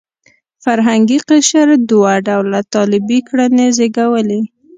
فرهنګي قشر دوه ډوله طالبي کړنې زېږولې.